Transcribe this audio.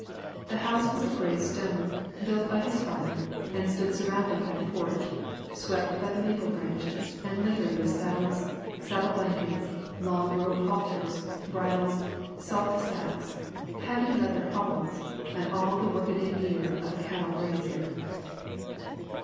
The house was of grey stone, built by his father, and stood surrounded by a porch, swept by the maple branches and littered with saddles, saddle blankets, long rope halters, bridles, salt sacks, heavy leather hobbles, and all the work a day gear of a cattle grazier.